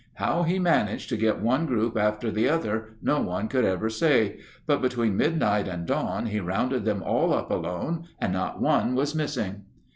How he managed to get one group after the other, no one could ever say, but between midnight and dawn he rounded them all up alone, and not one was missing.